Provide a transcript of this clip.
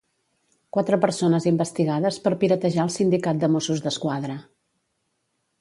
Quatre persones investigades per piratejar el Sindicat de Mossos d'Esquadra.